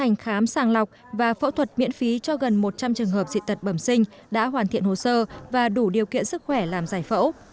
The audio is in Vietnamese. học và phẫu thuật miễn phí cho gần một trăm linh trường hợp dị tật bẩm sinh đã hoàn thiện hồ sơ và đủ điều kiện sức khỏe làm giải phẫu